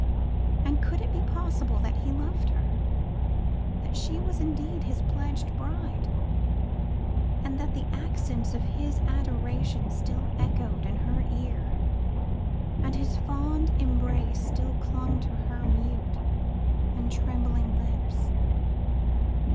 And could it be possible that he loved her, that she was indeed his pledged bride, that the accents of his adoration still echoed in her ear, and his fond embrace still clung to her mute and trembling lips!